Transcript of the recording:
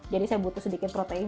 jadi saya butuh sedikit protein